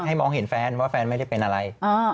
มองเห็นแฟนว่าแฟนไม่ได้เป็นอะไร